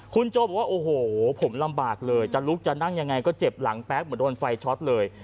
คุณโจบอกว่าโอ้โหผมลำบากเลยจะลุกจะนั่งยังไงก็เจ็บหลังแป๊กเหมือนโดนไฟช็อตเลย